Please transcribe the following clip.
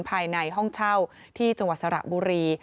ภายในห้องเช่าที่จังหวัดสระบุรี